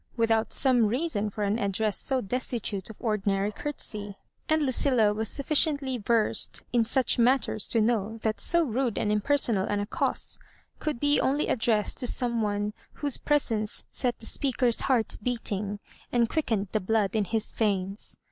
without some reason for an address so destitute of ordinary courtesy ; aud Lucilla was sufficiently versed in such matters to know that so rude and impersonal an accost could be only addressed to some one whose presence set the speaker's heart beating, and quickened the blood in his veins.